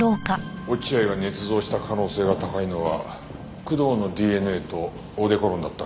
落合が捏造した可能性が高いのは工藤のＤＮＡとオーデコロンだったな。